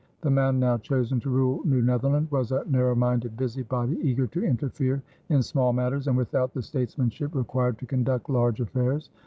The man now chosen to rule New Netherland was a narrow minded busybody, eager to interfere in small matters and without the statesmanship required to conduct large affairs.